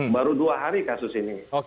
baru dua hari kasus ini